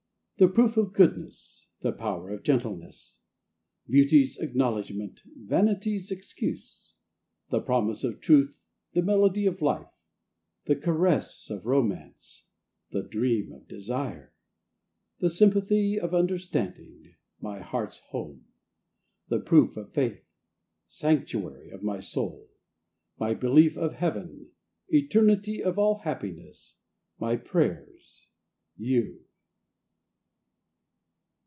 The Proof of Goodness. The Power of Gentleness. Beauty's Acknowledgment. Vanity's Excuse. The Promise of Truth. The Melody of Life. The Caress of Romance. The Dream of Desire. The Sympathy of Understanding. My Heart's Home. The Proof of Faith. Sanctuary of my Soul. My Belief of Heaven. Eternity of all Happiness. My Prayers. You.